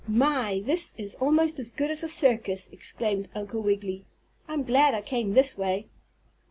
"My! This is almost as good as a circus!" exclaimed Uncle Wiggily. "I'm glad I came this way."